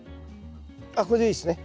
あっこれでいいですね。